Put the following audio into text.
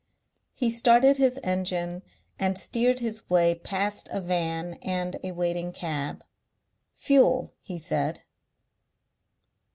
He started his engine and steered his way past a van and a waiting cab. "Fuel," he said.